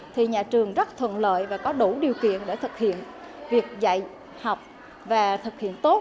thì nhà trường rất thuận lợi và có đủ điều kiện để thực hiện việc dạy học và thực hiện tốt